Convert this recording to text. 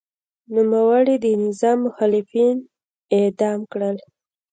نوموړي د نظام مخالفین اعدام کړل.